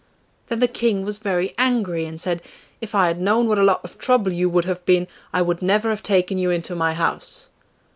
Then the King was very angry and said, 'If I had known what a lot of trouble you would have been, I would never have taken you into my house.